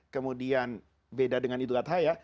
kemudian beda dengan idul adhaya